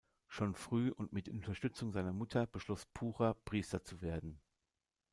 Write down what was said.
Schon früh und mit Unterstützung seiner Mutter, beschloss Pucher Priester zu werden.